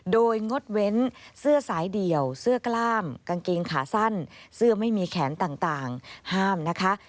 โดยงดเว้นเสื้อสายเดี่ยวเสื้อกล้ามกางเกงขาสั้นเสื้อไม่มีแขนต่างห้ามนะคะ